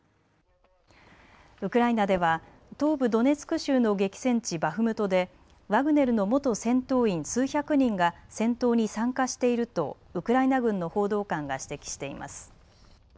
ウクライナでは東部ドネツク州の激戦地バフムトでワグネルの元戦闘員数百人が戦闘に参加しているとウクライナ軍の報道官が指摘しています。